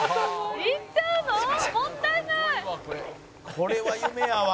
「これは夢やわ」